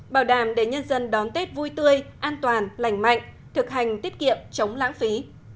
bảo đảm để nhân dân đón tết vui tươi an toàn lành mạnh thực hành tiết kiệm chống lãng phí